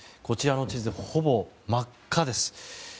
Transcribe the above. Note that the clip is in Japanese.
こちらの地図、ほぼ真っ赤です。